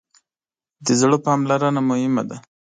د زړه پاملرنه مهمه ده.